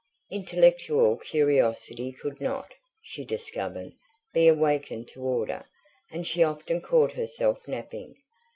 Intellectual curiosity could not, she discovered, be awakened to order; and she often caught herself napping.